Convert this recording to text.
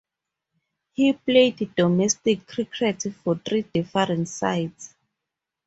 He played domestic cricket for three different sides.